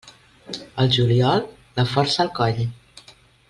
Al juliol, la forca al coll.